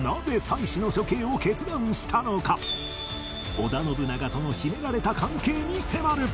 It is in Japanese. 織田信長との秘められた関係に迫る！